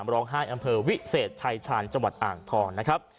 ๒รองไห้อำเภอวิเศษชายชาญจังหวัดอ่างทอง